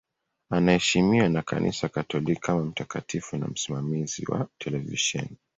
Anaheshimiwa na Kanisa Katoliki kama mtakatifu na msimamizi wa televisheni.